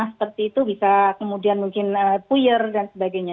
seperti itu bisa kemudian mungkin puyer dan sebagainya